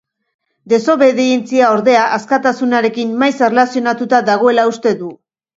Desobedientzia, ordea, askatasunarekin maiz erlazionatuta dagoela uste du.